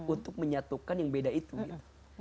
untuk menyatukan yang beda itu gitu